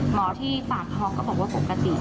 หมอที่สาขาเขาบอกว่าปกติ